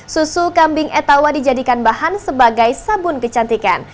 susu kambing etawa dijadikan bahan sebagai sabun kecantikan